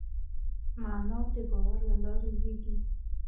معنی د باور له لارې زېږي.